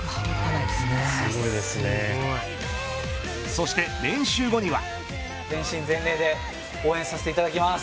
そして練習後には。